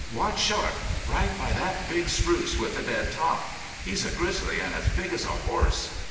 Watch sharp right by that big spruce with the dead top.... He's a grizzly an' as big as a horse".